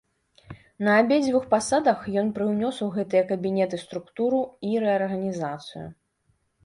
На абедзвюх пасадах ён прыўнёс у гэтыя кабінеты структуру і рэарганізацыю.